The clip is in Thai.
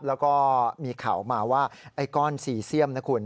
แล้วก็มีข่าวมาว่าไอ้ก้อนซีเซียมนะคุณ